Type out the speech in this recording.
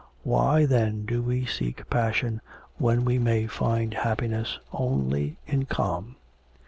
Why then do we seek passion when we may find happiness only in calm?'